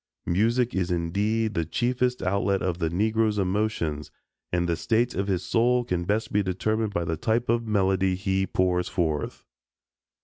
Music is indeed the chiefest outlet of the Negro's emotions, and the state of his soul can best be determined by the type of melody he pours forth.